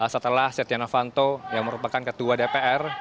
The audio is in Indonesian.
setelah setia novanto yang merupakan ketua dpr